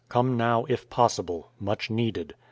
Come now, if possible. Much needed.